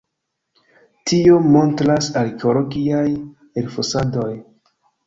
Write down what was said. Tion montras arkeologiaj elfosadoj.